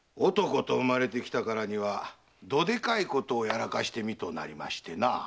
男と生まれてきたからにはどでかいことをやらかしてみとうなりましてな。